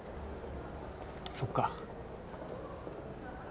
そっか。